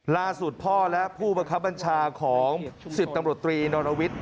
ล่าสุดพ่อและผู้บังคับบัญชาของ๑๐ตำรวจตรีนรวิทย์